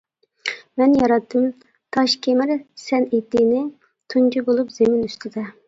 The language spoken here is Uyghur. مەن ياراتتىم تاشكېمىر سەنئىتىنى تۇنجى بولۇپ زېمىن ئۈستىدە.